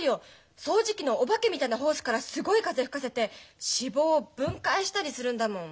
掃除機のお化けみたいなホースからすごい風吹かせて脂肪を分解したりするんだもん。